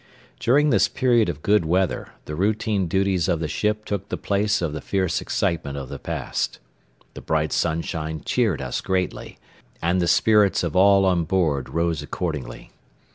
During this period of good weather the routine duties of the ship took the place of the fierce excitement of the past. The bright sunshine cheered us greatly, and the spirits of all on board rose accordingly.